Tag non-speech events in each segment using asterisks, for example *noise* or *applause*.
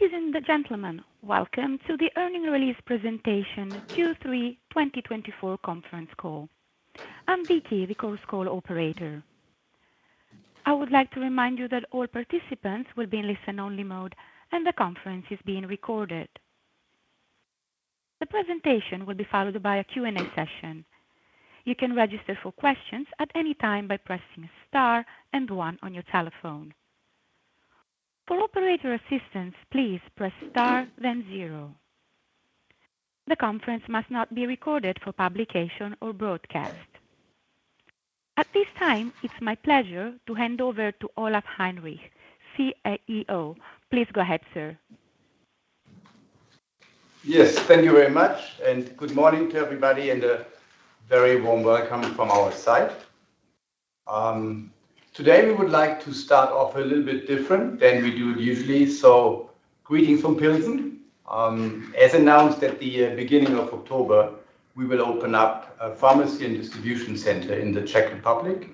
Ladies and gentlemen, welcome to the earnings release presentation Q3 2024 conference call. I'm Vicky, the conference call operator. I would like to remind you that all participants will be in listen-only mode, and the conference is being recorded. The presentation will be followed by a Q&A session. You can register for questions at any time by pressing star and one on your telephone. For operator assistance, please press star, then zero. The conference must not be recorded for publication or broadcast. At this time, it's my pleasure to hand over to Olaf Heinrich, CEO. Please go ahead, sir. Yes, thank you very much, and good morning to everybody, and a very warm welcome from our side. Today, we would like to start off a little bit different than we do usually, so greetings from Pilsen as announced at the beginning of October. We will open up a pharmacy and distribution center in the Czech Republic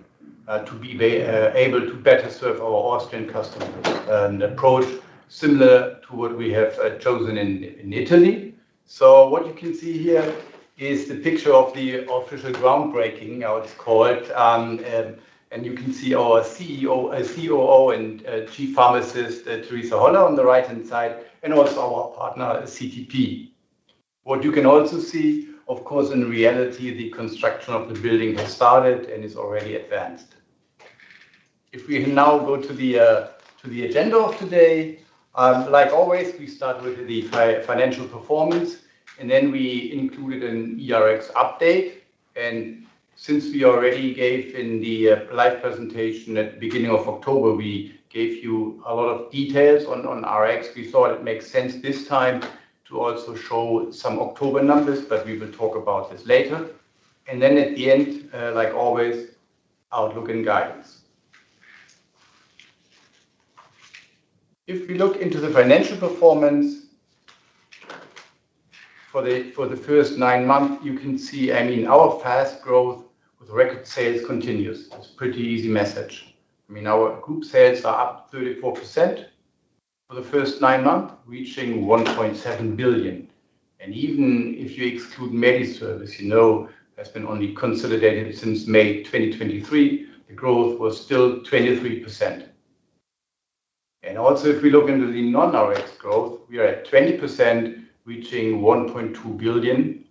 to be able to better serve our Austrian customers and approach similar to what we have chosen in Italy. So what you can see here is the picture of the official groundbreaking, how it's called, and you can see our COO and Chief Pharmacist, Theresa Holler, on the right-hand side, and also our partner, CTP. What you can also see, of course, in reality, the construction of the building has started and is already advanced. If we now go to the agenda of today, like always, we start with the financial performance, and then we included an eRx update, and since we already gave in the live presentation at the beginning of October, we gave you a lot of details on Rx. We thought it makes sense this time to also show some October numbers, but we will talk about this later, and then at the end, like always, outlook and guidance. If we look into the financial performance for the first nine months, you can see, I mean, our fast growth with record sales continues. It's a pretty easy message. I mean, our group sales are up 34% for the first nine months, reaching 1.7 billion. And even if you exclude MediService, you know that's been only consolidated since May 2023, the growth was still 23%. And also, if we look into the non-Rx growth, we are at 20%, reaching 1.2 billion.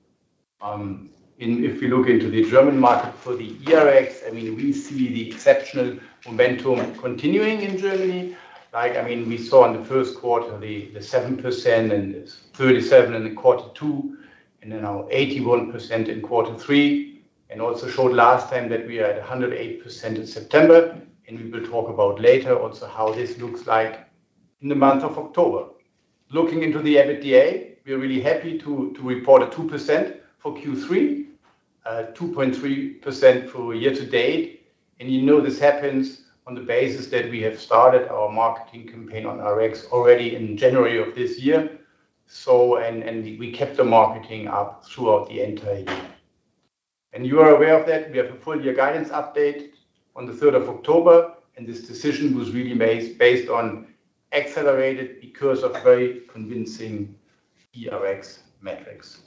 If we look into the German market for the eRx, I mean, we see the exceptional momentum continuing in Germany. Like, I mean, we saw in the first quarter the 7% and 37% in quarter two, and then now 81% in quarter three. We also showed last time that we are at 108% in September, and we will talk about later also how this looks like in the month of October. Looking into the EBITDA, we are really happy to report a 2% for Q3, 2.3% for year to date. You know this happens on the basis that we have started our marketing campaign on Rx already in January of this year. We kept the marketing up throughout the entire year. You are aware of that. We have a full year guidance update on the 3rd of October, and this decision was really based on accelerated because of very convincing eRx metrics.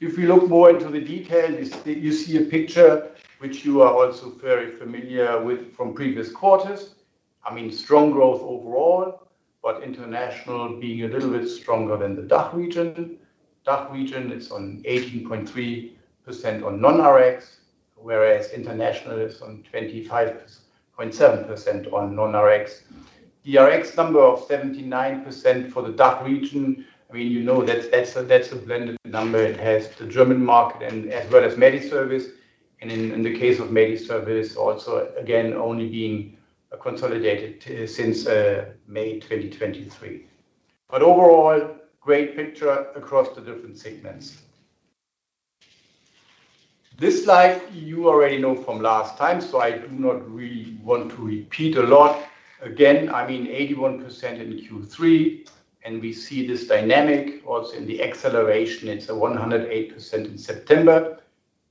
If we look more into the detail, you see a picture which you are also very familiar with from previous quarters. I mean, strong growth overall, but international being a little bit stronger than the DACH region. DACH region is on 18.3% on non-Rx, whereas international is on 25.7% on non-Rx. The Rx number of 79% for the DACH region, I mean, you know that's a blended number. It has the German market as well as MediService. And in the case of MediService, also again, only being consolidated since May 2023. But overall, great picture across the different segments. This slide, you already know from last time, so I do not really want to repeat a lot. Again, I mean, 81% in Q3, and we see this dynamic also in the acceleration. It's 108% in September.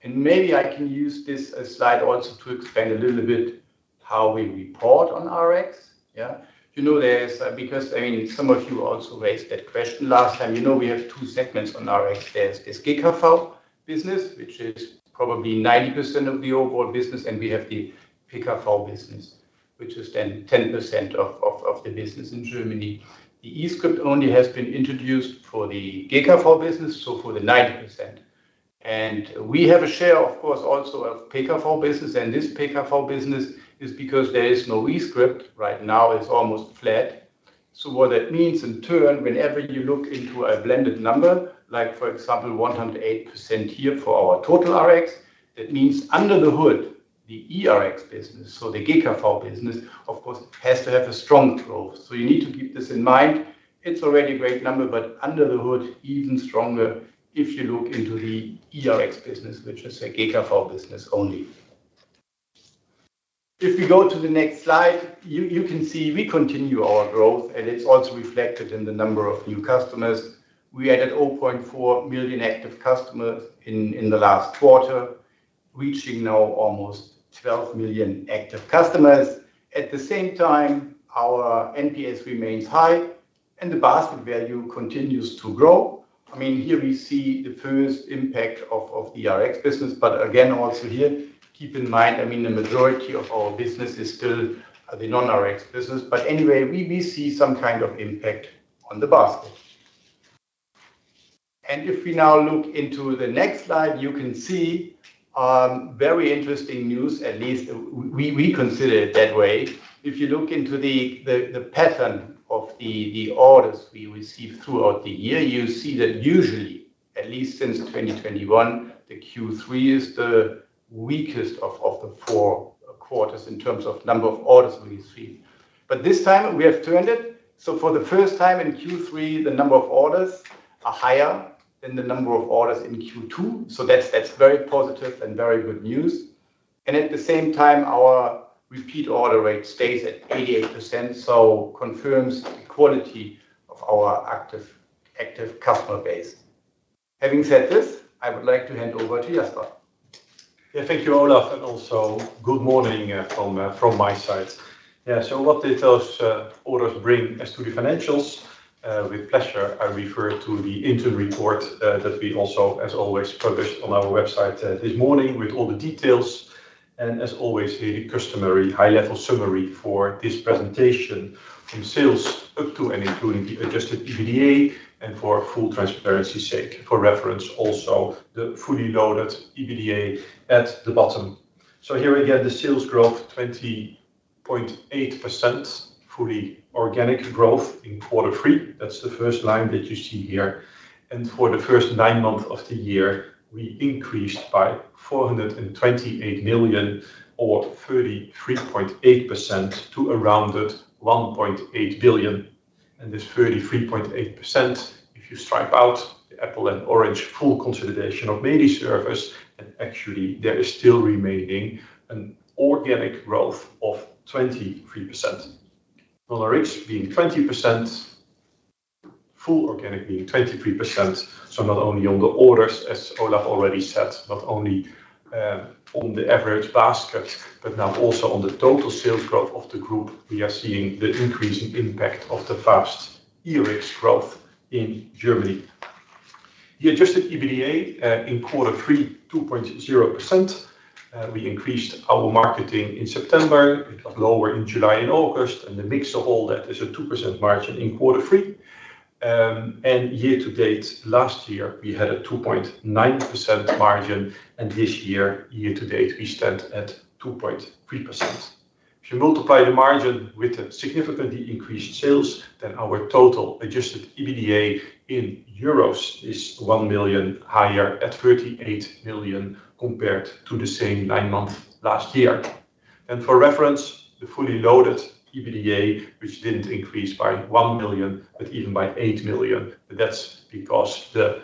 And maybe I can use this slide also to expand a little bit how we report on Rx. Yeah, you know there's because, I mean, some of you also raised that question last time. You know we have two segments on Rx. There's this GKV business, which is probably 90% of the overall business, and we have the PKV business, which is then 10% of the business in Germany. The e-script only has been introduced for the GKV business, so for the 90%. And we have a share, of course, also of PKV business, and this PKV business is because there is no e-script right now. It's almost flat. So what that means in turn, whenever you look into a blended number, like for example, 108% here for our total Rx, that means under the hood, the eRx business, so the GKV business, of course, has to have a strong growth. So you need to keep this in mind. It's already a great number, but under the hood, even stronger if you look into the eRx business, which is a GKV business only. If we go to the next slide, you can see we continue our growth, and it's also reflected in the number of new customers. We added 0.4 million active customers in the last quarter, reaching now almost 12 million active customers. At the same time, our NPS remains high, and the basket value continues to grow. I mean, here we see the first impact of the Rx business, but again, also here, keep in mind, I mean, the majority of our business is still the non-Rx business. But anyway, we see some kind of impact on the basket, and if we now look into the next slide, you can see very interesting news, at least we consider it that way. If you look into the pattern of the orders we receive throughout the year, you see that usually, at least since 2021, the Q3 is the weakest of the four quarters in terms of number of orders we received, but this time, we have turned it, so for the first time in Q3, the number of orders are higher than the number of orders in Q2. So that's very positive and very good news. And at the same time, our repeat order rate stays at 88%, so confirms the quality of our active customer base. Having said this, I would like to hand over to Jasper. Yeah, thank you, Olaf, and also good morning from my side. Yeah, so what did those orders bring as to the financials? With pleasure, I refer to the interim report that we also, as always, published on our website this morning with all the details. And as always, here the customary high-level summary for this presentation from sales up to and including the adjusted EBITDA and for full transparency's sake. For reference, also the fully loaded EBITDA at the bottom. So here we get the sales growth, 20.8%, fully organic growth in quarter three. That's the first line that you see here. And for the first nine months of the year, we increased by 428 million or 33.8% to around 1.8 billion. And this 33.8%, if you strip out the apples and oranges full consolidation of MediService, and actually there is still remaining an organic growth of 23%. non-Rx being 20%, full organic being 23%. So not only on the orders, as Olaf already said, not only on the average basket, but now also on the total sales growth of the group, we are seeing the increasing impact of the fast eRx growth in Germany. The adjusted EBITDA in quarter three, 2.0%. We increased our marketing in September, it got lower in July and August, and the mix of all that is a 2% margin in quarter three. And year to date, last year, we had a 2.9% margin, and this year, year to date, we stand at 2.3%. If you multiply the margin with the significantly increased sales, then our total adjusted EBITDA in euros is 1 million higher at 38 million compared to the same nine months last year. And for reference, the fully loaded EBITDA, which didn't increase by one million, but even by eight million, that's because the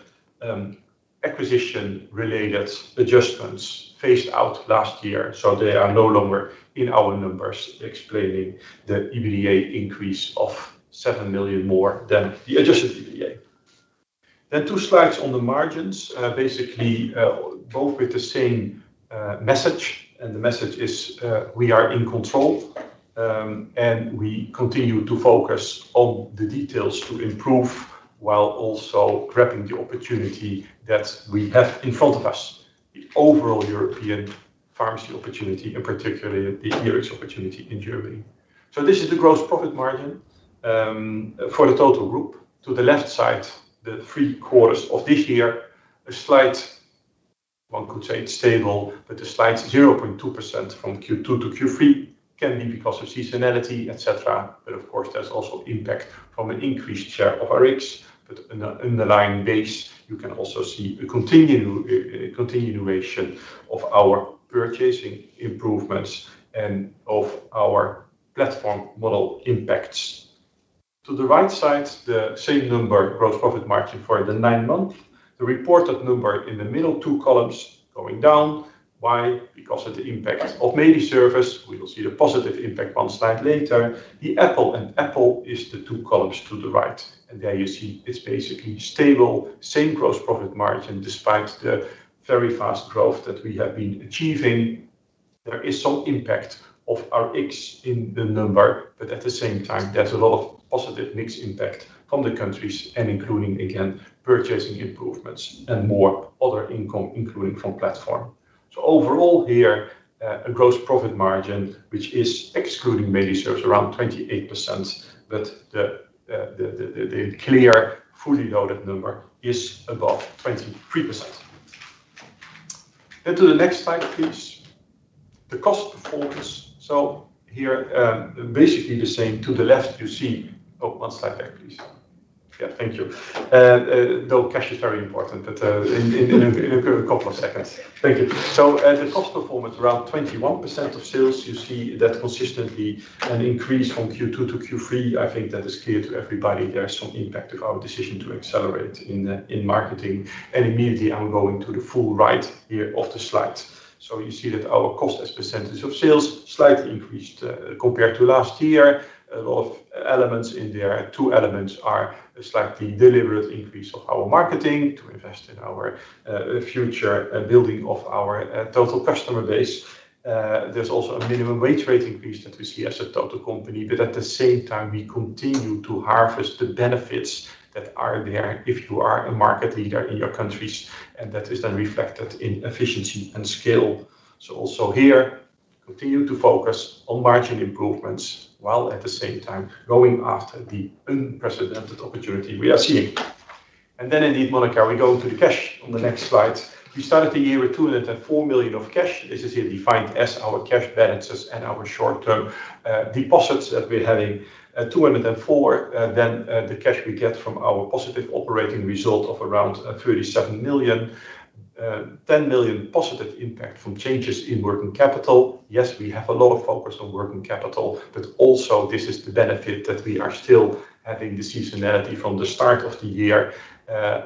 acquisition-related adjustments phased out last year, so they are no longer in our numbers explaining the EBITDA increase of seven million more than the adjusted EBITDA. Then two slides on the margins, basically both with the same message, and the message is we are in control, and we continue to focus on the details to improve while also grabbing the opportunity that we have in front of us, the overall European pharmacy opportunity, and particularly the eRx opportunity in Germany. So this is the gross profit margin for the total group. To the left side, the three quarters of this year, a slight, one could say it's stable, but the slide's 0.2% from Q2 to Q3 can be because of seasonality, etc. But of course, there's also impact from an increased share of Rx, but on the underlying base, you can also see a continuation of our purchasing improvements and of our platform model impacts. To the right side, the same number, gross profit margin for the nine-month, the reported number in the middle two columns going down. Why? Because of the impact of MediService. We will see the positive impact one slide later. The apples to apples is the two columns to the right, and there you see it's basically stable, same gross profit margin despite the very fast growth that we have been achieving. There is some impact of Rx in the number, but at the same time, there's a lot of positive mix impact from the countries and including again purchasing improvements and more other income, including from platform. So overall here, a gross profit margin, which is excluding MediService, around 28%, but the clear fully loaded number is above 23%, and to the next slide, please. The cost performance, so here, basically the same to the left, you see one slide back, please. Yeah, thank you. Though cash is very important in a couple of seconds. Thank you, so the cost performance, around 21% of sales, you see that consistently an increase from Q2 to Q3. I think that is clear to everybody. There is some impact of our decision to accelerate in marketing, and immediately I'm going to the full right here of the slides, so you see that our cost as percentage of sales slightly increased compared to last year. A lot of elements in there. Two elements are a slightly deliberate increase of our marketing to invest in our future building of our total customer base. There's also a minimum wage rate increase that we see as a total company, but at the same time, we continue to harvest the benefits that are there if you are a market leader in your countries, and that is then reflected in efficiency and scale. So also here, continue to focus on margin improvements while at the same time going after the unprecedented opportunity we are seeing. And then indeed, Monica, we go to the cash on the next slide. We started the year with 204 million of cash. This is here defined as our cash balances and our short-term deposits that we're having 204 million. Then the cash we get from our positive operating result of around 3 million-7 million, 10 million positive impact from changes in working capital. Yes, we have a lot of focus on working capital, but also this is the benefit that we are still having the seasonality from the start of the year,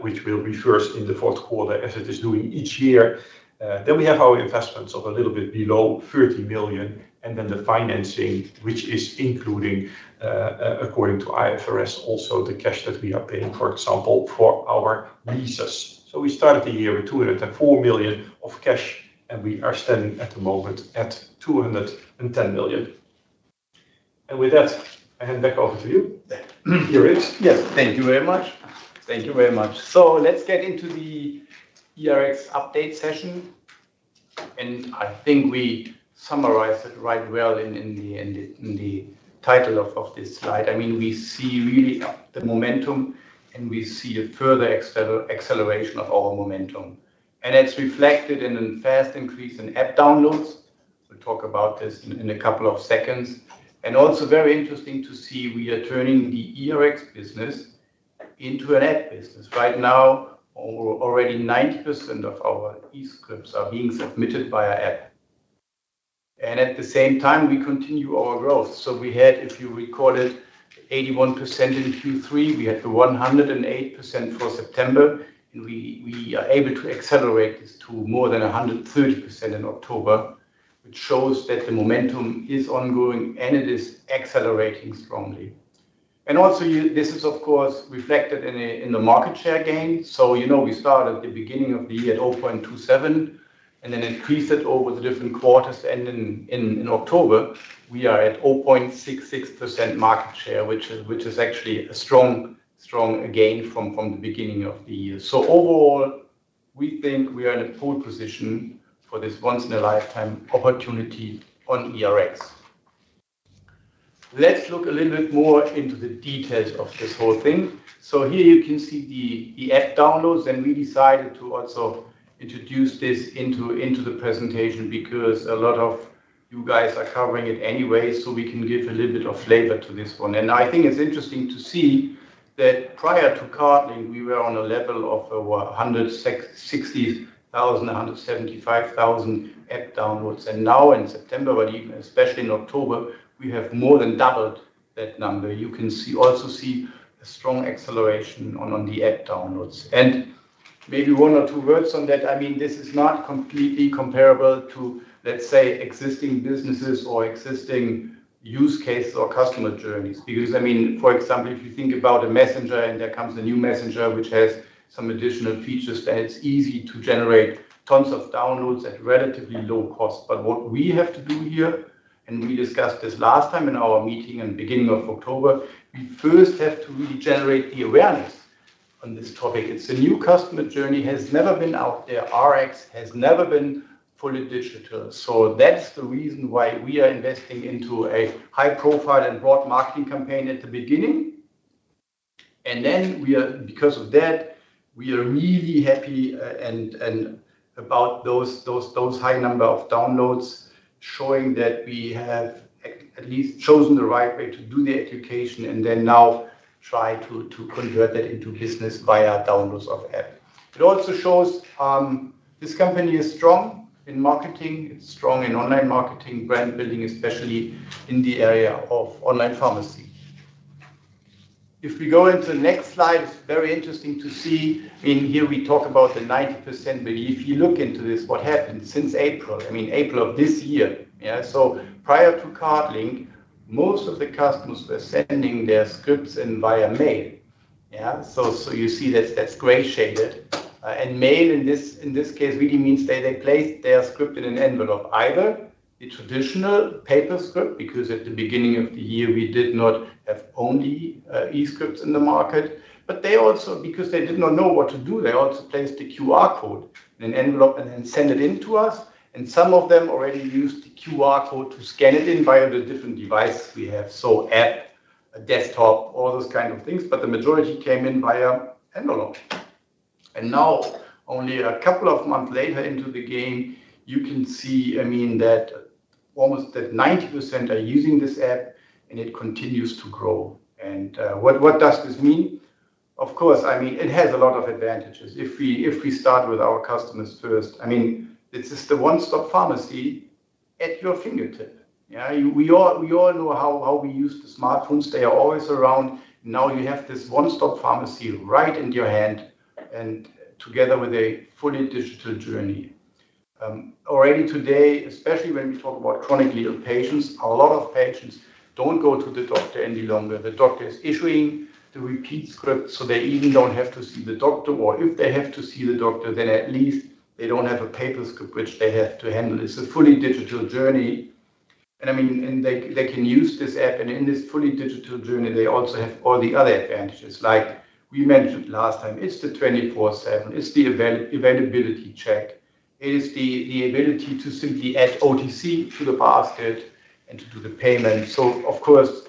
which will reverse in the fourth quarter as it is doing each year. Then we have our investments of a little bit below 30 million, and then the financing, which is including, according to IFRS, also the cash that we are paying, for example, for our leases. So we started the year with 204 million of cash, and we are standing at the moment at 210 million. And with that, I hand back over to you. Here it is. Yes, thank you very much. Thank you very much. So let's get into the eRx update session. And I think we summarized it right well in the title of this slide. I mean, we see really the momentum, and we see a further acceleration of our momentum. And it's reflected in a fast increase in app downloads. We'll talk about this in a couple of seconds. And also very interesting to see we are turning the eRx business into an app business. Right now, already 90% of our e-scripts are being submitted via app. And at the same time, we continue our growth. So we had, if you recall it, 81% in Q3. We had the 108% for September, and we are able to accelerate this to more than 130% in October, which shows that the momentum is ongoing and it is accelerating strongly. And also this is, of course, reflected in the market share gain. So you know we started the beginning of the year at 0.27% and then increased it over the different quarters. And in October, we are at 0.66% market share, which is actually a strong gain from the beginning of the year. So overall, we think we are in a pole position for this once-in-a-lifetime opportunity on eRx. Let's look a little bit more into the details of this whole thing. So here you can see the app downloads, and we decided to also introduce this into the presentation because a lot of you guys are covering it anyway, so we can give a little bit of flavor to this one. And I think it's interesting to see that prior to CardLink, we were on a level of 160,000, 175,000 app downloads. Now in September, but even especially in October, we have more than doubled that number. You can also see a strong acceleration on the app downloads. Maybe one or two words on that. I mean, this is not completely comparable to, let's say, existing businesses or existing use cases or customer journeys. Because I mean, for example, if you think about a messenger and there comes a new messenger which has some additional features that it's easy to generate tons of downloads at relatively low cost. What we have to do here, and we discussed this last time in our meeting in the beginning of October, we first have to regenerate the awareness on this topic. It's a new customer journey, has never been out there. Rx has never been fully digital. So that's the reason why we are investing into a high-profile and broad marketing campaign at the beginning. And then because of that, we are really happy about those high number of downloads showing that we have at least chosen the right way to do the education and then now try to convert that into business via downloads of app. It also shows this company is strong in marketing. It's strong in online marketing, brand building, especially in the area of online pharmacy. If we go into the next slide, it's very interesting to see. I mean, here we talk about the 90%, but if you look into this, what happened since April? I mean, April of this year. So prior to CardLink, most of the customers were sending their scripts via mail. So you see that's gray shaded. Mail in this case really means they placed their script in an envelope, either the traditional paper script, because at the beginning of the year, we did not have only e-scripts in the market, but they also, because they did not know what to do, they also placed the QR code in an envelope and then sent it in to us. Some of them already used the QR code to scan it in via the different devices we have, so app, desktop, all those kind of things, but the majority came in via envelope. Now, only a couple of months later into the game, you can see, I mean, that almost that 90% are using this app and it continues to grow. What does this mean? Of course, I mean, it has a lot of advantages. If we start with our customers first, I mean, this is the one-stop pharmacy at your fingertip. We all know how we use the smartphones. They are always around. Now you have this one-stop pharmacy right in your hand and together with a fully digital journey. Already today, especially when we talk about chronically ill patients, a lot of patients don't go to the doctor any longer. The doctor is issuing the repeat script, so they even don't have to see the doctor, or if they have to see the doctor, then at least they don't have a paper script which they have to handle. It's a fully digital journey. And I mean, they can use this app, and in this fully digital journey, they also have all the other advantages, like we mentioned last time. It's the 24/7, it's the availability check, it is the ability to simply add OTC to the basket and to do the payment. So of course,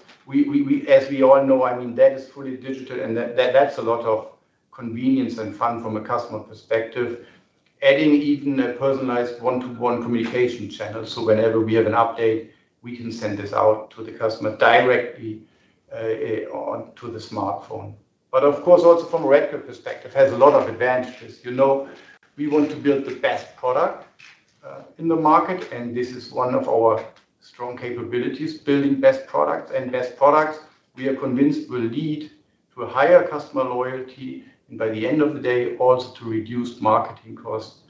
as we all know, I mean, that is fully digital, and that's a lot of convenience and fun from a customer perspective, adding even a personalized one-to-one communication channel. So whenever we have an update, we can send this out to the customer directly onto the smartphone. But of course, also from a Redcare perspective, it has a lot of advantages. We want to build the best product in the market, and this is one of our strong capabilities, building best products and best products. We are convinced will lead to a higher customer loyalty, and by the end of the day, also to reduce marketing costs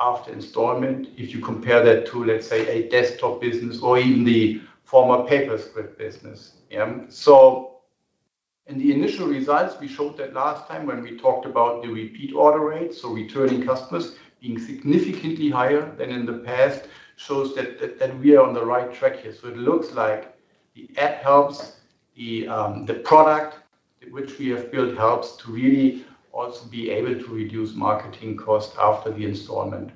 after installment if you compare that to, let's say, a desktop business or even the former paper script business. So in the initial results, we showed that last time when we talked about the repeat order rate, so returning customers being significantly higher than in the past shows that we are on the right track here. So it looks like the app helps, the product which we have built helps to really also be able to reduce marketing costs after the installment.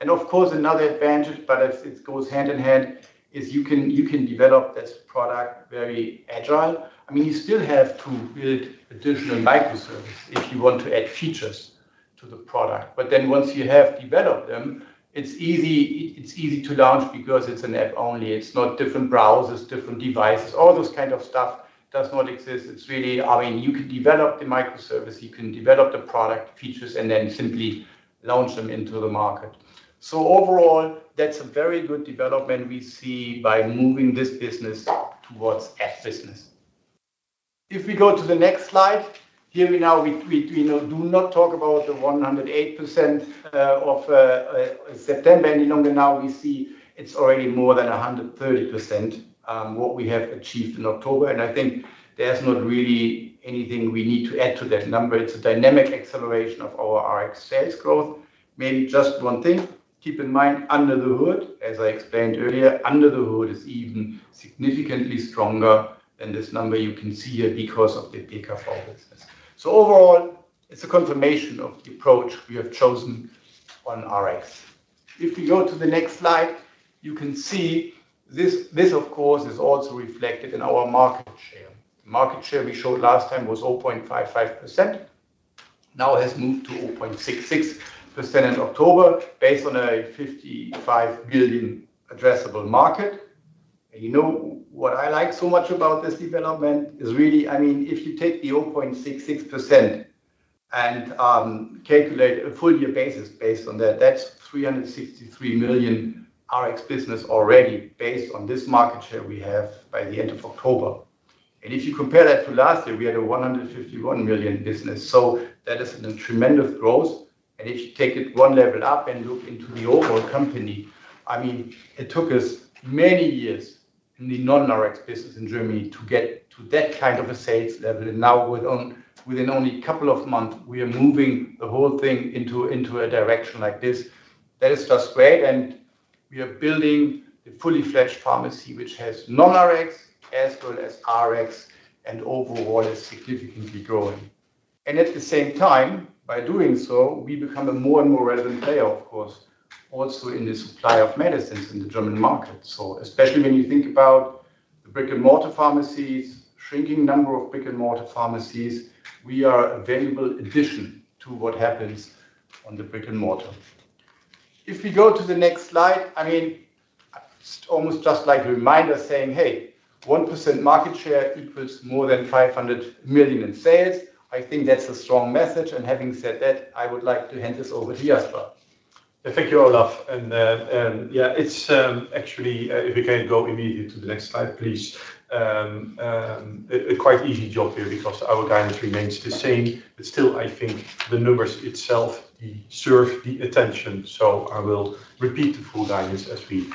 And of course, another advantage, but it goes hand in hand, is you can develop this product very agile. I mean, you still have to build additional microservices if you want to add features to the product. But then once you have developed them, it's easy to launch because it's an app only. It's not different browsers, different devices. All those kind of stuff does not exist. It's really, I mean, you can develop the microservice, you can develop the product features, and then simply launch them into the market. So overall, that's a very good development we see by moving this business towards app business. If we go to the next slide, here we now do not talk about the 108% of September any longer now, we see it's already more than 130% what we have achieved in October. And I think there's not really anything we need to add to that number. It's a dynamic acceleration of our Rx sales growth. Maybe just one thing to keep in mind under the hood, as I explained earlier, under the hood is even significantly stronger than this number you can see here because of the GKV business. So overall, it's a confirmation of the approach we have chosen on Rx. If we go to the next slide, you can see this, of course, is also reflected in our market share. The market share we showed last time was 0.55%, now has moved to 0.66% in October based on a 55 billion addressable market. And you know what I like so much about this development is really, I mean, if you take the 0.66% and calculate a full year basis based on that, that's 363 million Rx business already based on this market share we have by the end of October. If you compare that to last year, we had a 151 million business. That is a tremendous growth. If you take it one level up and look into the overall company, I mean, it took us many years in the non-Rx business in Germany to get to that kind of a sales level. Now within only a couple of months, we are moving the whole thing into a direction like this. That is just great. We are building the fully fledged pharmacy, which has non-Rx as well as Rx, and overall is significantly growing. At the same time, by doing so, we become a more and more relevant player, of course, also in the supply of medicines in the German market. Especially when you think about the brick-and-mortar pharmacies, shrinking number of brick-and-mortar pharmacies, we are a valuable addition to what happens on the brick-and-mortar. If we go to the next slide, I mean, it's almost just like a reminder saying, hey, 1% market share equals more than 500 million in sales. I think that's a strong message. And having said that, I would like to hand this over to Jasper. Thank you, Olaf. And yeah, it's actually, if we can go immediately to the next slide, please. Quite easy job here because our guidance remains the same. But still, I think the numbers itself serve the attention. So I will repeat the full guidance as we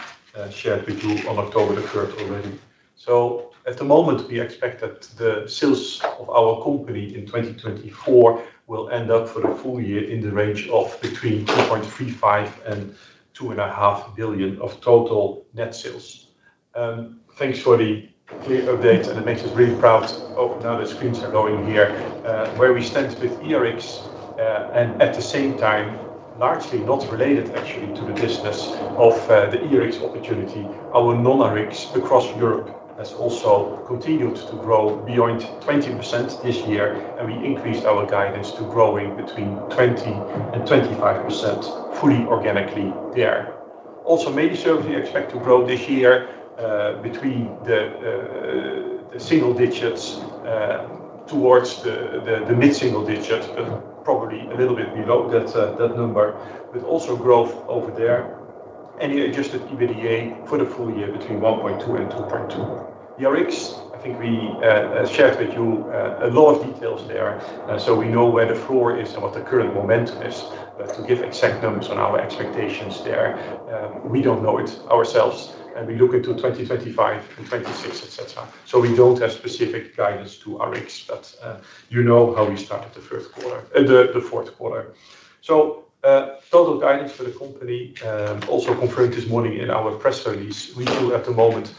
shared with you on October the 3rd already. So at the moment, we expect that the sales of our company in 2024 will end up for the full year in the range of between 2.35 billion-2.5 billion of total net sales. Thanks for the clear updates. And it makes us really proud. Oh, now the screens are going here. Where we stand with eRx, and at the same time, largely not related actually to the business of the eRx opportunity, our non-Rx across Europe has also continued to grow beyond 20% this year. And we increased our guidance to growing between 20%-25% fully organically there. Also, MediService expect to grow this year between the single digits towards the mid-single digits, but probably a little bit below that number, but also growth over there. Any adjusted EBITDA for the full year between 1.2 billion-2.2 billion. eRx, I think we shared with you a lot of details there. So we know where the floor is and what the current momentum is. But to give exact numbers on our expectations there, we don't know it ourselves. And we look into 2025 and 2026, etc. So we don't have specific guidance to Rx, but you know how we started the fourth quarter. So total guidance for the company also confirmed this morning in our press release. We feel at the moment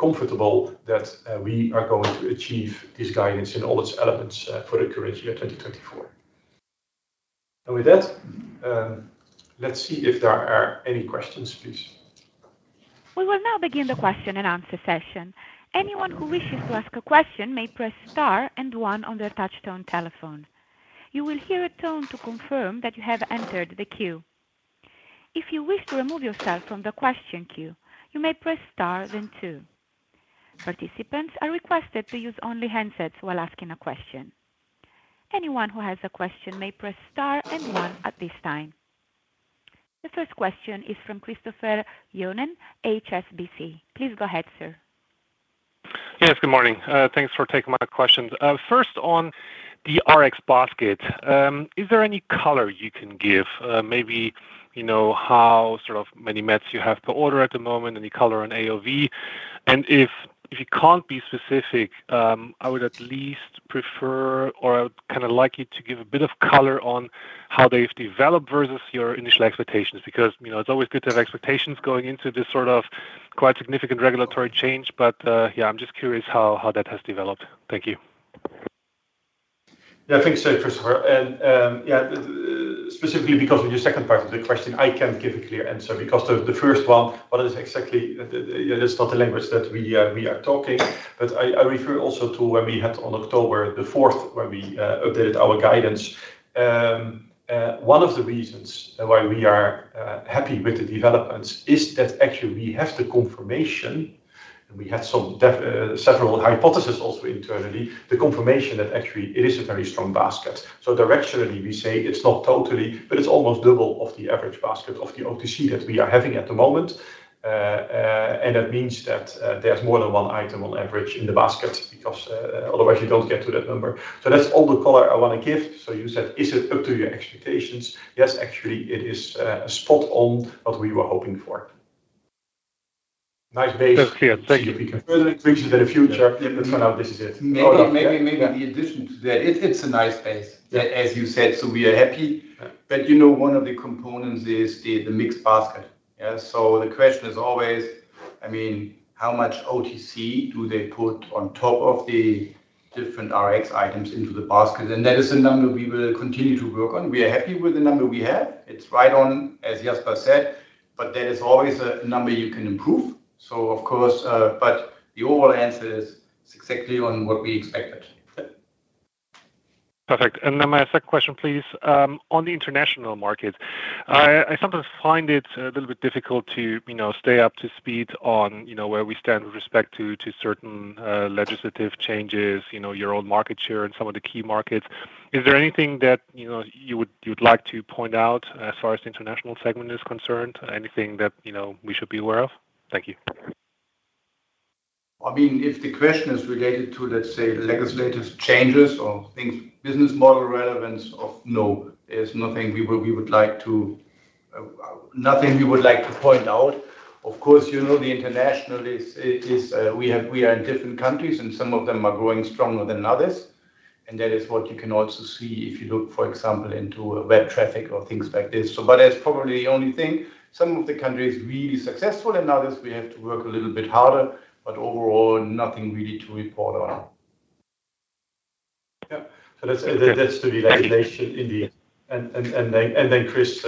comfortable that we are going to achieve this guidance in all its elements for the current year 2024. And with that, let's see if there are any questions, please. We will now begin the question and answer session. Anyone who wishes to ask a question may press star and one on their touch-tone telephone. You will hear a tone to confirm that you have entered the queue. If you wish to remove yourself from the question queue, you may press star then two. Participants are requested to use only handsets while asking a question. Anyone who has a question may press star and one at this time. The first question is from Christopher Johnen, HSBC. Please go ahead, sir. Yes, good morning. Thanks for taking my questions. First on the Rx basket, is there any color you can give? Maybe how sort of many meds you have to order at the moment, any color on AOV? And if you can't be specific, I would at least prefer or kind of like you to give a bit of color on how they've developed versus your initial expectations because it's always good to have expectations going into this sort of quite significant regulatory change. But yeah, I'm just curious how that has developed. Thank you. Yeah, thanks, Christopher. And yeah, specifically because of your second part of the question, I can't give a clear answer because the first one, what is exactly, that's not the language that we are talking. But I refer also to when we had on October the 4th when we updated our guidance. One of the reasons why we are happy with the developments is that actually we have the confirmation, and we had several hypotheses also internally, the confirmation that actually it is a very strong basket. So directionally, we say it's not totally, but it's almost double of the average basket of the OTC that we are having at the moment. And that means that there's more than one item on average in the basket because otherwise you don't get to that number. So that's all the color I want to give. So you said, is it up to your expectations? Yes, actually, it is a spot on what we were hoping for. Nice base. Thank you. If we can further increase it in the future, but for now, this is it. Maybe the addition to that, it's a nice base, as you said. So we are happy. But you know one of the components is the mixed basket. So the question is always, I mean, how much OTC do they put on top of the different Rx items into the basket? And that is a number we will continue to work on. We are happy with the number we have. It's right on, as Jasper said, but that is always a number you can improve. So of course, but the overall answer is exactly on what we expected. Perfect. And then my second question, please. On the international market, I sometimes find it a little bit difficult to stay up to speed on where we stand with respect to certain legislative changes, your own market share in some of the key markets. Is there anything that you would like to point out as far as the international segment is concerned? Anything that we should be aware of? Thank you. I mean, if the question is related to, let's say, legislative changes or things, business model relevance of no, there's nothing we would like to point out. Of course, the international is. We are in different countries, and some of them are growing stronger than others, and that is what you can also see if you look, for example, into web traffic or things like this. But that's probably the only thing. Some of the countries are really successful, and others we have to work a little bit harder, but overall, nothing really to report on. Yeah, so that's the legislation indeed, and then, Chris,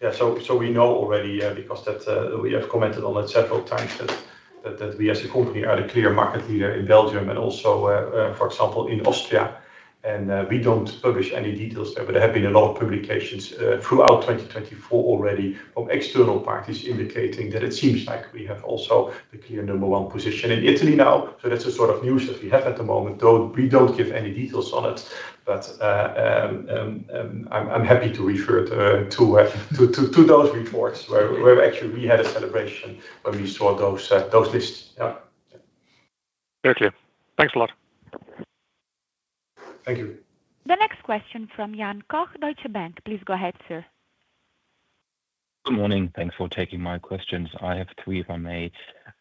yeah, so we know already because we have commented on it several times that we as a company are the clear market leader in Belgium and also, for example, in Austria. We don't publish any details there, but there have been a lot of publications throughout 2024 already from external parties indicating that it seems like we have also the clear number one position in Italy now. That's the sort of news that we have at the moment. We don't give any details on it, but I'm happy to refer to those reports where actually we had a celebration when we saw those lists. Yeah. Thank you. Thanks a lot. Thank you. The next question from Jan Koch, Deutsche Bank. Please go ahead, sir. Good morning. Thanks for taking my questions. I have three if I may.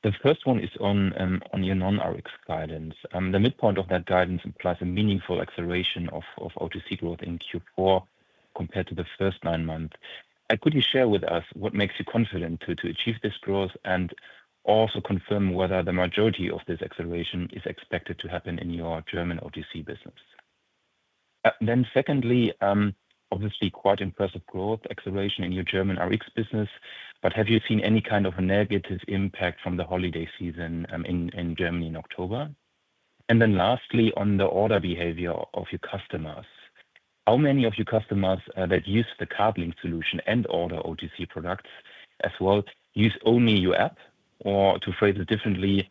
The first one is on your non-Rx guidance. The midpoint of that guidance implies a meaningful acceleration of OTC growth in Q4 compared to the first nine months. Could you share with us what makes you confident to achieve this growth and also confirm whether the majority of this acceleration is expected to happen in your German OTC business? Then secondly, obviously quite impressive growth, acceleration in your German Rx business, but have you seen any kind of a negative impact from the holiday season in Germany in October? And then lastly, on the order behavior of your customers, how many of your customers that use the CardLink solution and order OTC products as well use only your app? Or to phrase it differently,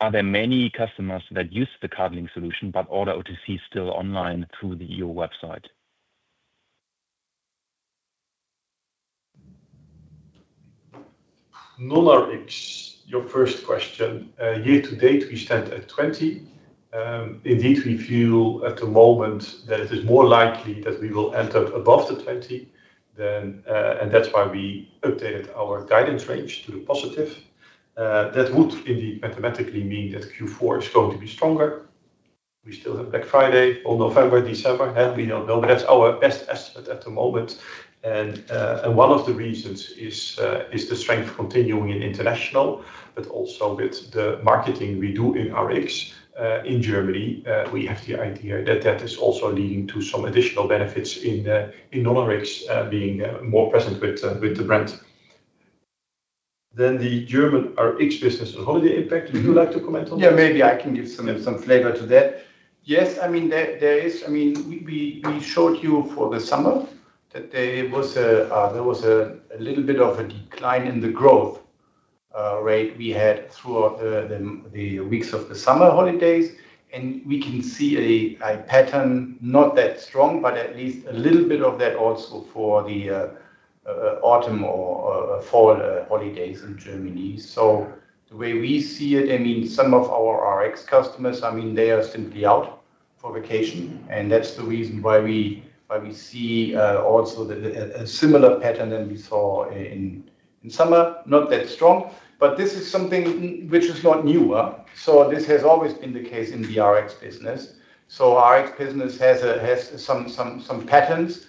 are there many customers that use the CardLink solution, but order OTC still online through your website? Non-Rx, your first question, year to date, we stand at 20%. Indeed, we feel at the moment that it is more likely that we will enter above the 20, and that's why we updated our guidance range to the positive. That would indeed mathematically mean that Q4 is going to be stronger. We still have Black Friday on November, December. We don't know, but that's our best estimate at the moment. And one of the reasons is the strength continuing in international, but also with the marketing we do in Rx in Germany, we have the idea that that is also leading to some additional benefits in non-Rx being more present with the brand. Then the German Rx business and holiday impact, would you like to comment on that? Yeah, maybe I can give some flavor to that. Yes, I mean, there is. I mean, we showed you for the summer that there was a little bit of a decline in the growth rate we had throughout the weeks of the summer holidays, and we can see a pattern not that strong, but at least a little bit of that also for the autumn or fall holidays in Germany, so the way we see it, I mean, some of our Rx customers, I mean, they are simply out for vacation, and that's the reason why we see also a similar pattern than we saw in summer, not that strong, but this is something which is not newer, so this has always been the case in the Rx business, so Rx business has some patterns,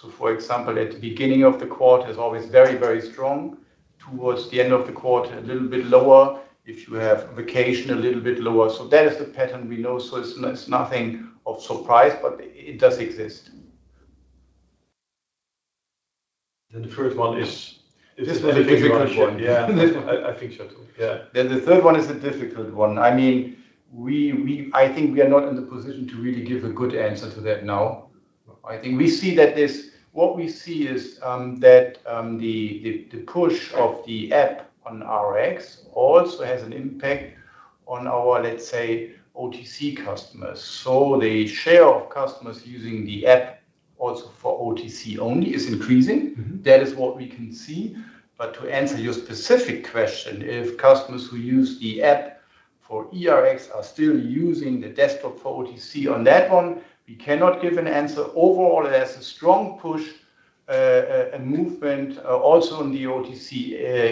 so for example, at the beginning of the quarter, it's always very, very strong. Towards the end of the quarter, a little bit lower. If you have vacation, a little bit lower. So that is the pattern we know. So it's nothing of surprise, but it does exist. Then the third one is. This is a difficult one. Yeah, I think so. Yeah. Then the third one is a difficult one. I mean, I think we are not in the position to really give a good answer to that now. I think we see that this, what we see is that the push of the app on Rx also has an impact on our, let's say, OTC customers. So the share of customers using the app also for OTC only is increasing. That is what we can see. But to answer your specific question, if customers who use the app for eRx are still using the desktop for OTC on that one, we cannot give an answer. Overall, there's a strong push, a movement also in the OTC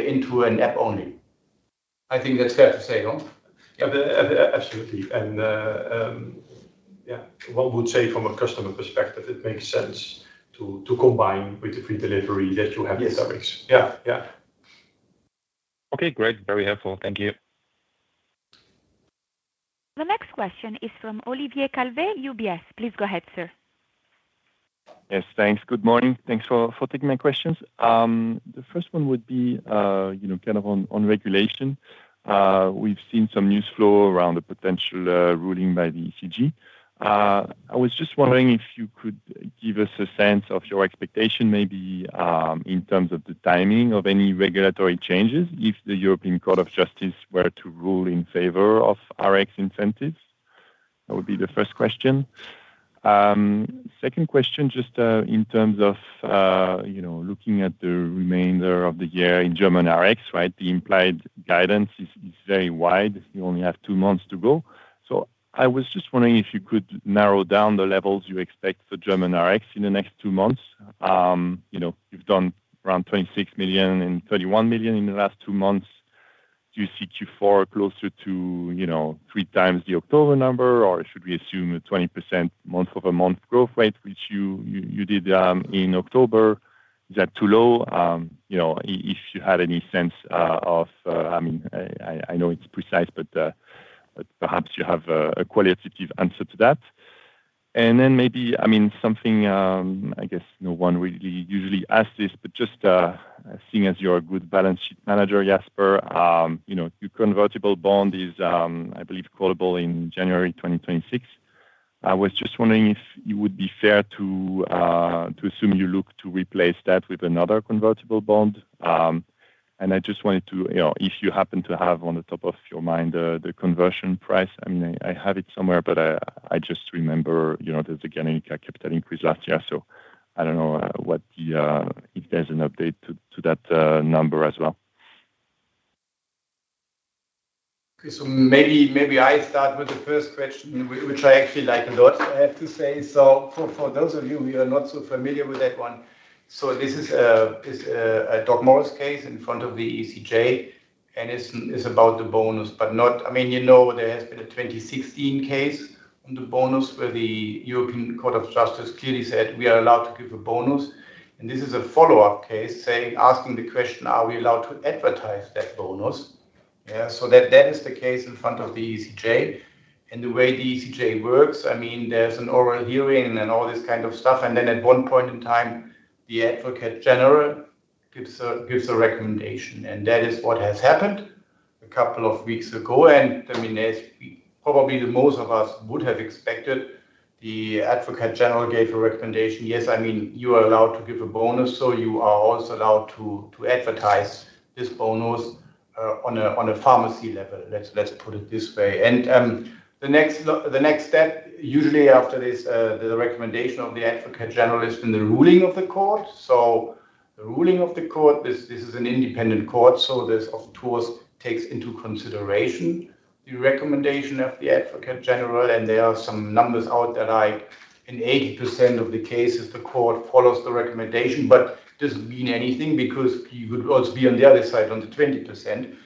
into an app only. I think that's fair to say, no? Absolutely. And yeah. what we would say from a customer perspective, it makes sense to combine with the free delivery that you have with Rx. Yeah. Yeah. Okay, great. Very helpful. Thank you. The next question is from Olivier Calvet, UBS. Please go ahead, sir. Yes, thanks. Good morning. Thanks for taking my questions. The first one would be kind of on regulation. We've seen some news flow around the potential ruling by the ECJ. I was just wondering if you could give us a sense of your expectation, maybe in terms of the timing of any regulatory changes if the European Court of Justice were to rule in favor of Rx incentives. That would be the first question. Second question, just in terms of looking at the remainder of the year in German Rx, right? The implied guidance is very wide. You only have two months to go. So I was just wondering if you could narrow down the levels you expect for German Rx in the next two months. You've done around 26 million and 31 million in the last two months. Do you see Q4 closer to three times the October number, or should we assume a 20% month-over-month growth rate, which you did in October? Is that too low? If you had any sense of, I mean, I know it's precise, but perhaps you have a qualitative answer to that. And then maybe, I mean, something I guess no one really usually asks this, but just seeing as you're a good balance sheet manager, Jasper, your convertible bond is, I believe, quotable in January 2026. I was just wondering if it would be fair to assume you look to replace that with another convertible bond. And I just wanted to, if you happen to have on the top of your mind the conversion price, I mean, I have it somewhere, but I just remember there's a generic capital increase last year. I don't know if there's an update to that number as well. Okay, so maybe I start with the first question, which I actually like a lot, I have to say. So for those of you who are not so familiar with that one, so this is a DocMorris case in front of the ECJ, and it's about the bonus. But I mean, you know there has been a 2016 case on the bonus where the European Court of Justice clearly said, "We are allowed to give a bonus." And this is a follow-up case asking the question, "Are we allowed to advertise that bonus?" Yeah, so that is the case in front of the ECJ. And the way the ECJ works, I mean, there's an oral hearing and all this kind of stuff. And then at one point in time, the Advocate General gives a recommendation. And that is what has happened a couple of weeks ago. I mean, probably most of us would have expected the Advocate General gave a recommendation. Yes, I mean, you are allowed to give a bonus, so you are also allowed to advertise this bonus on a pharmacy level. Let's put it this way. The next step, usually after this, the recommendation of the Advocate General is in the ruling of the court. The ruling of the court, this is an independent court, so it of course takes into consideration the recommendation of the Advocate General. There are some numbers out that in 80% of the cases, the court follows the recommendation, but it doesn't mean anything because you could also be on the other side of the 20%.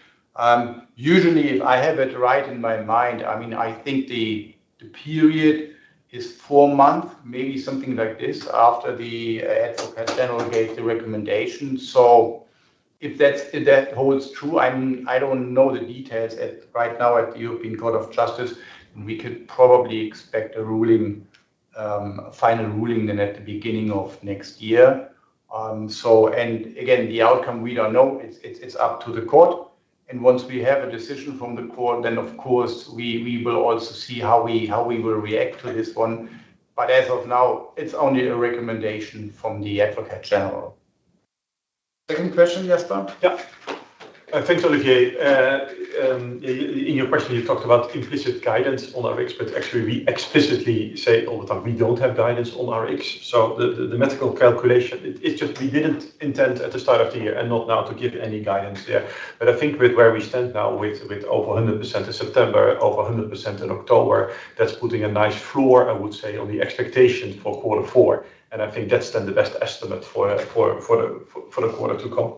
Usually, if I have it right in my mind, I mean, I think the period is four months, maybe something like this after the Advocate General gave the recommendation. So if that holds true, I don't know the details right now at the European Court of Justice, and we could probably expect a final ruling then at the beginning of next year. And again, the outcome we don't know. It's up to the court. And once we have a decision from the court, then of course, we will also see how we will react to this one. But as of now, it's only a recommendation from the Advocate General. Second question, Jasper? Yeah. Thanks, Olivier. In your question, you talked about implicit guidance on Rx, but actually, we explicitly say all the time we don't have guidance on Rx. So the medical calculation, it's just we didn't intend at the start of the year and not now to give any guidance there. But I think with where we stand now with over 100% in September, over 100% in October, that's putting a nice floor, I would say, on the expectations for quarter four. And I think that's then the best estimate for the quarter to come.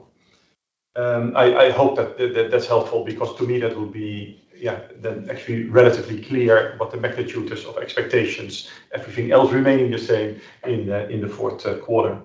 I hope that that's helpful because to me, that would be, yeah, then actually relatively clear what the magnitude is of expectations. Everything else remaining the same in the fourth quarter.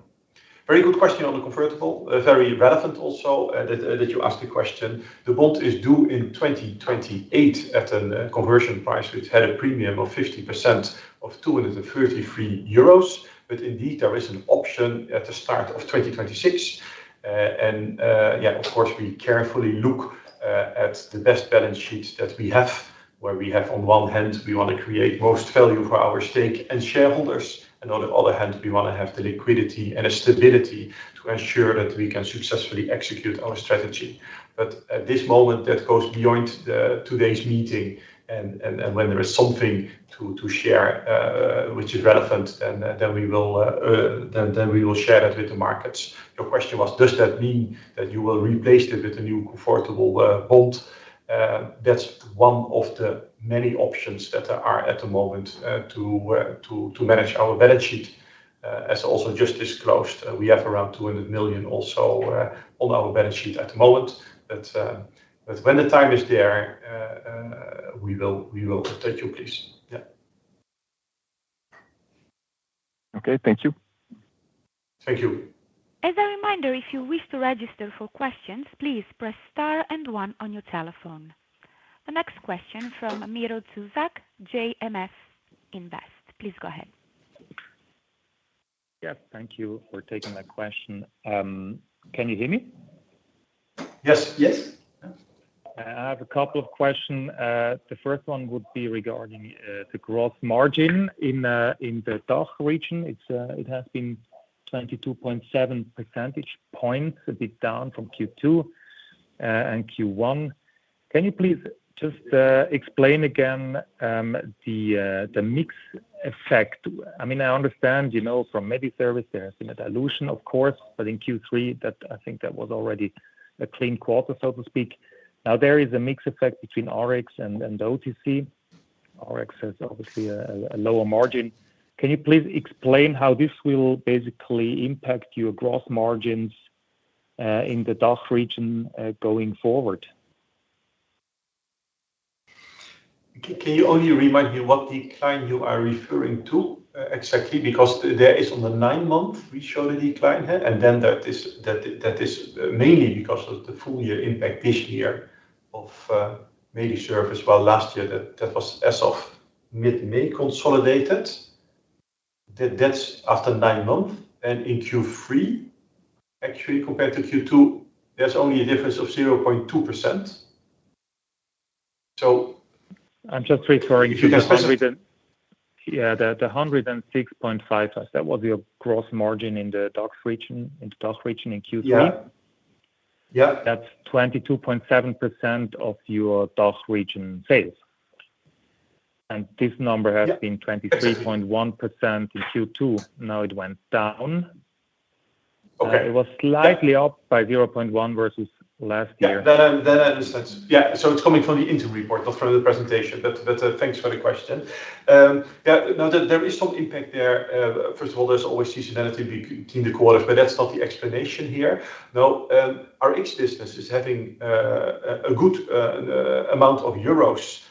Very good question on the convertible. Very relevant also that you asked the question. The bond is due in 2028 at a conversion price, which had a premium of 50% of 233 euros. But indeed, there is an option at the start of 2026. And yeah, of course, we carefully look at the best balance sheets that we have, where we have on one hand, we want to create most value for our stake and shareholders. And on the other hand, we want to have the liquidity and stability to ensure that we can successfully execute our strategy. But at this moment, that goes beyond today's meeting. And when there is something to share, which is relevant, then we will share that with the markets. Your question was, does that mean that you will replace it with a new convertible bond? That's one of the many options that there are at the moment to manage our balance sheet. As also just disclosed, we have around 200 million on our balance sheet at the moment. But when the time is there, we will take your place. Yeah. Okay, thank you. Thank you. As a reminder, if you wish to register for questions, please press star and one on your telephone. The next question from Miro Zuzak, JMS Invest. Please go ahead. Yes, thank you for taking my question. Can you hear me? Yes. Yes. I have a couple of questions. The first one would be regarding the gross margin in the DACH region. It has been 22.7 percentage points a bit down from Q2 and Q1. Can you please just explain again the mixed effect? I mean, I understand from maybe service, there has been a dilution, of course, but in Q3, I think that was already a clean quarter, so to speak. Now, there is a mixed effect between Rx and OTC. Rx has obviously a lower margin. Can you please explain how this will basically impact your gross margins in the DACH region going forward? Can you only remind me what decline you are referring to exactly? Because there is on the nine-month, we showed a decline here, and then that is mainly because of the full-year impact this year of MediService. Well, last year, that was as of mid-May consolidated. That's after nine months, and in Q3, actually, compared to Q2, there's only a difference of 0.2%. So. I'm just referring to the 100. Yeah, the 106.5%. That was your gross margin in the DACH region in Q3. Yeah. Yeah. That's 22.7% of your DACH region sales. And this number has been 23.1% in Q2. Now it went down. It was slightly up by 0.1% versus last year. Then I understand. Yeah, so it's coming from the interim report, not from the presentation. But thanks for the question. Yeah, now there is some impact there. First of all, there's always seasonality between the quarters, but that's not the explanation here. No, Rx business is having a good amount of euros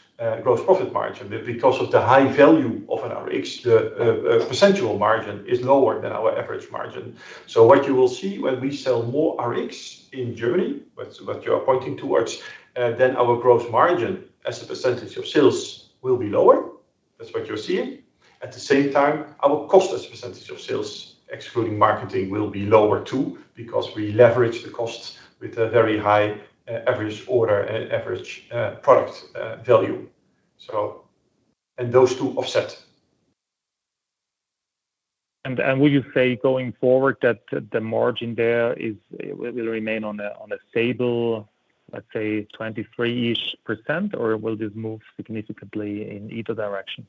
gross profit margin. Because of the high value of an Rx, the percentage margin is lower than our average margin. So what you will see when we sell more Rx in Germany, what you're pointing towards, then our gross margin as a percentage of sales will be lower. That's what you're seeing. At the same time, our cost as a percentage of sales, excluding marketing, will be lower too because we leverage the cost with a very high average order and average product value, and those two offset. Would you say going forward that the margin there will remain on a stable, let's say, 23-ish%, or will this move significantly in either direction?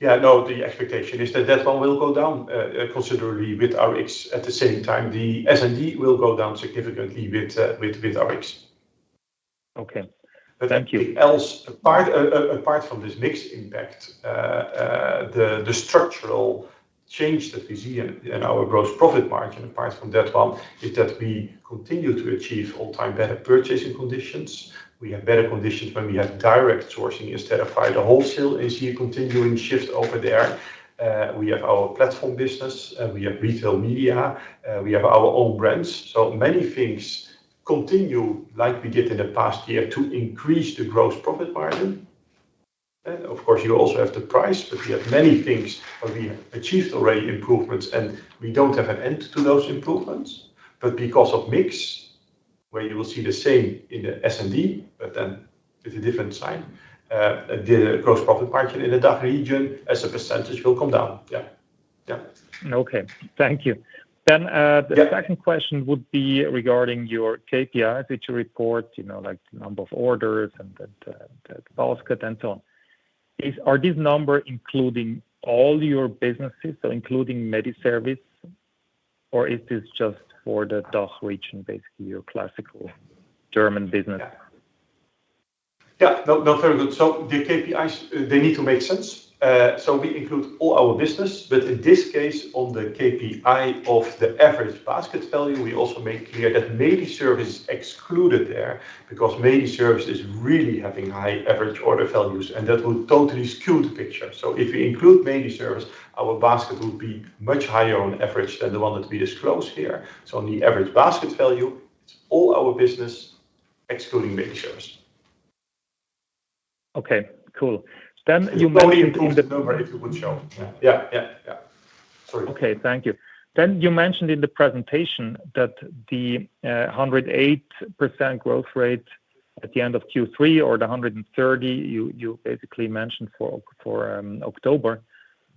Yeah, no, the expectation is that that one will go down considerably with Rx. At the same time, the S&D will go down significantly with Rx. Okay. Thank you. But apart from this mixed impact, the structural change that we see in our gross profit margin apart from that one is that we continue to achieve all-time better purchasing conditions. We have better conditions when we have direct sourcing instead of via the wholesale. You see a continuing shift over there. We have our platform business. We have retail media. We have our own brands. So many things continue like we did in the past year to increase the gross profit margin. Of course, you also have the price, but we have many things where we have achieved already improvements, and we don't have an end to those improvements. But because of mix, where you will see the same in the S&D, but then with a different side, the gross profit margin in the DACH region as a percentage will come down. Yeah. Yeah. Okay. Thank you. Then the second question would be regarding your KPIs, which you report, like the number of orders and the basket and so on. Are these numbers including all your businesses, so including maybe service, or is this just for the DACH region, basically your classical German business? Yeah, no, very good. So the KPIs, they need to make sense. So we include all our business, but in this case, on the KPI of the average basket value, we also make clear that MediService is excluded there because MediService is really having high average order values, and that would totally skew the picture. So if we include MediService, our basket would be much higher on average than the one that we disclose here. So on the average basket value, it's all our business excluding MediService. Okay, cool. Then you *crosstalk* mentioned. Only include that number if you would show. Yeah, yeah, yeah. Sorry. Okay, thank you. Then you mentioned in the presentation that the 108% growth rate at the end of Q3 or the 130% you basically mentioned for October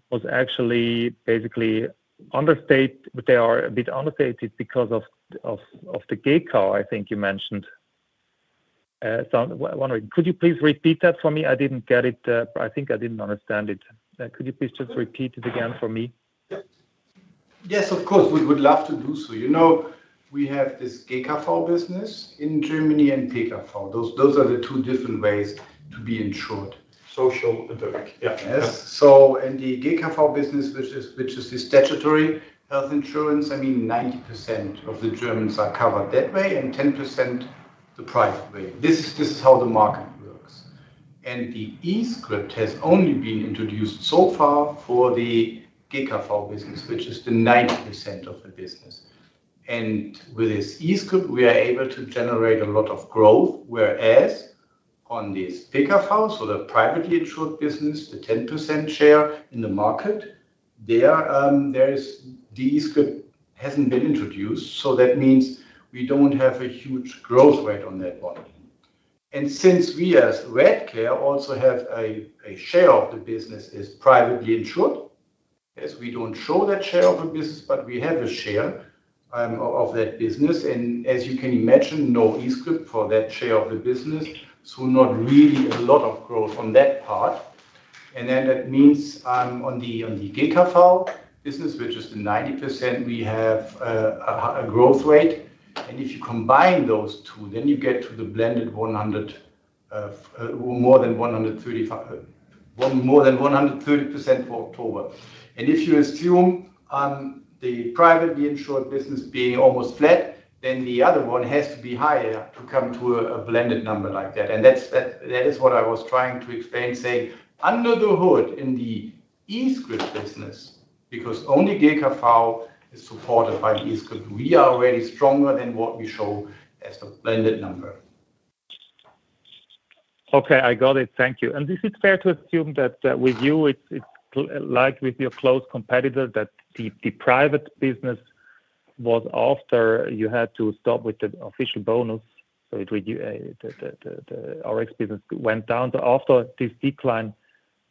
was actually basically understated, but they are a bit understated because of the GKV, I think you mentioned. Could you please repeat that for me? I didn't get it. I think I didn't understand it. Could you please just repeat it again for me? Yes, of course. We would love to do so. We have this GKV business in Germany and PKV. Those are the two different ways to be insured. Social and direct, yeah. So in the GKV business, which is statutory health insurance, I mean, 90% of the Germans are covered that way and 10% the private way. This is how the market works. And the e-script has only been introduced so far for the GKV business, which is the 90% of the business. And with this e-script, we are able to generate a lot of growth, whereas on this PKV, so the privately insured business, the 10% share in the market, the e-script hasn't been introduced. So that means we don't have a huge growth rate on that one. And since we as Redcare also have a share of the business as privately insured, we don't show that share of the business, but we have a share of that business. And as you can imagine, no e-script for that share of the business, so not really a lot of growth on that part. And then that means on the GKV business, which is the 90%, we have a growth rate. And if you combine those two, then you get to the blended more than 130% for October. And if you assume the privately insured business being almost flat, then the other one has to be higher to come to a blended number like that. That is what I was trying to explain, saying under the hood in the e-script business, because only GKV is supported by the e-script, we are already stronger than what we show as the blended number. Okay, I got it. Thank you. And is it fair to assume that with you, it's like with your close competitor, that the private business was after you had to stop with the official bonus? So the Rx business went down. So after this decline,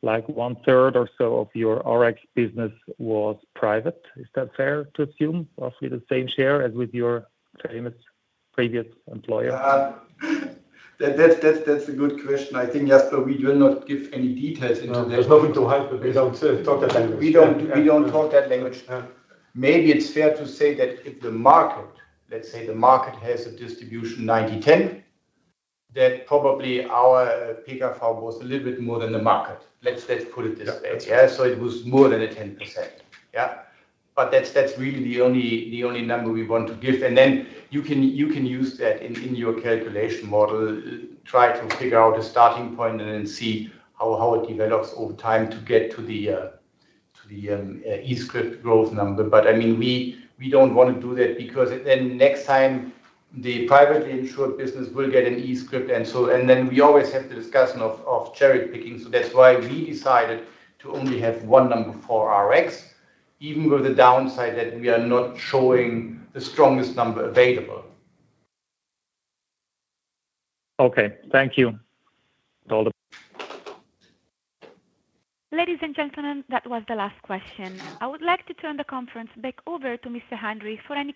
like one-third or so of your Rx business was private. Is that fair to assume roughly the same share as with your famous previous employer? That's a good question. I think, Jasper, we will not give any details into that. There's nothing to hide, but we don't talk that language. We don't talk that language. Maybe it's fair to say that if the market, let's say the market has a distribution 90%-10%, that probably our PKV flow was a little bit more than the market. Let's put it this way. Yeah, so it was more than 10%. Yeah. But that's really the only number we want to give. And then you can use that in your calculation model, try to figure out a starting point and then see how it develops over time to get to the e-script growth number. But I mean, we don't want to do that because then next time, the privately insured business will get an e-script. And then we always have the discussion of cherry-picking. So that's why we decided to only have one number for Rx, even with the downside that we are not showing the strongest number available. Okay, thank you. Ladies and gentlemen, that was the last question. I would like to turn the conference back over to Mr. Heinrich for any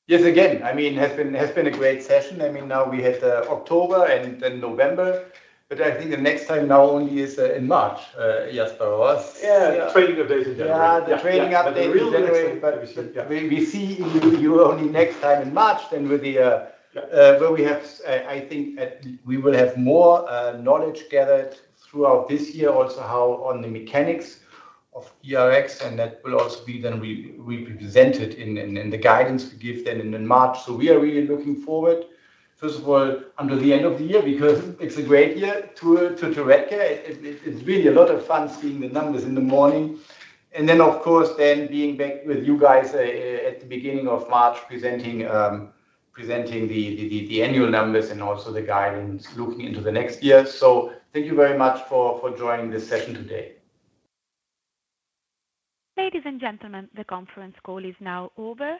closing remarks. Thank you. Yes, again, I mean, it has been a great session. I mean, now we had October and then November, but I think the next time now only is in March, Jasper. Yeah, the trading updates *crosstalk* in January. Yeah, the trading updates in January. We see you only next time in March then with the where we have. I think we will have more knowledge gathered throughout this year, also how on the mechanics of eRx, and that will also be then represented in the guidance we give then in March. So we are really looking forward, first of all, until the end of the year because it's a great year to Redcare. It's really a lot of fun seeing the numbers in the morning. And then, of course, then being back with you guys at the beginning of March presenting the annual numbers and also the guidance looking into the next year. So thank you very much for joining this session today. Ladies and gentlemen, the conference call is now over.